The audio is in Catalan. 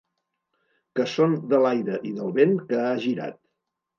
Que són de l’aire i del vent que ha girat.